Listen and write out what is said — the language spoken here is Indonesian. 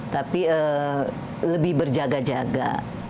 tapi lebih berjaga jaga